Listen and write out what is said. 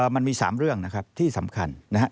มันมี๓เรื่องนะครับที่สำคัญนะครับ